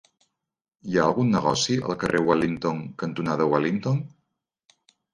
Hi ha algun negoci al carrer Wellington cantonada Wellington?